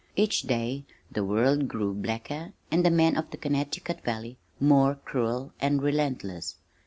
Each day the world grew blacker, and the men of the Connecticut Valley more cruel and relentless.